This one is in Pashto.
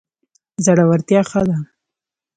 زړورتیا ښه ده.